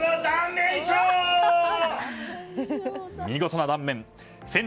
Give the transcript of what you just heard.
見事な断面！